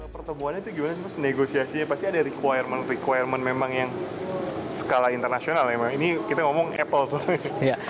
pertemuannya itu gimana sih mas negosiasinya pasti ada requirement requirement memang yang skala internasional ya memang ini kita ngomong apple soalnya